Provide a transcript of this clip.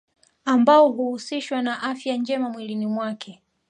Ambao huhusishwa na afya njema mwilini mwake